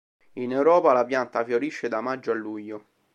In Europa la pianta fiorisce da Maggio a Luglio.